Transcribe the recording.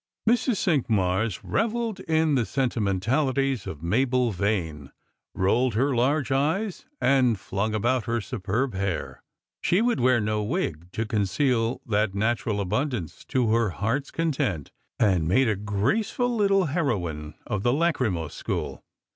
Mrs. Cinqmars revelled in the sentimentahties of Mabel Vane; rolled her large eyes and flung about her superb hair — she would wear no wig to conceal that natural abundance — to her heart's content, and made a graceful little heroine of the lachrymose school.